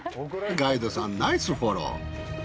ガイドさんナイスフォロー。